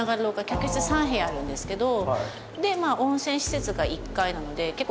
客室３部屋あるんですけど。